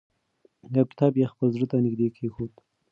یو کتاب یې خپل زړه ته نږدې کېښود.